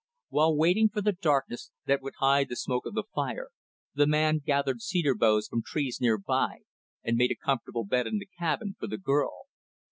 While waiting for the darkness that would hide the smoke of the fire, the man gathered cedar boughs from trees near by, and made a comfortable bed in the cabin, for the girl.